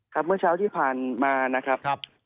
เมื่อเช้าที่ผ่านมานะครับ